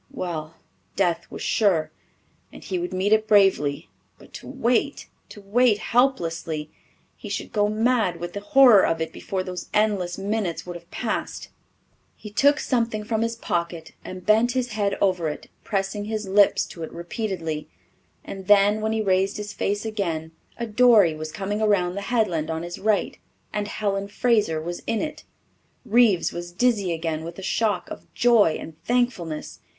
Well, death was sure and he would meet it bravely. But to wait to wait helplessly! He should go; mad with the horror of it before those endless minutes would have passed! He took something from his pocket and bent his, head over it, pressing his lips to it repeatedly. And then, when he raised his face again, a dory was coming around the headland on his right, and Helen Fraser was in it. Reeves was dizzy again with the shock of joy and thankfulness.